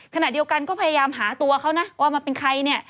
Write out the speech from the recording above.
ขนาดเดียวกันก็พยายามหาตัวเค้านะว่ามันเป็นใคร